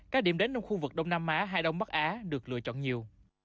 các điểm đến trong khu vực đông nam á hay đông bắc á được lựa chọn nhiều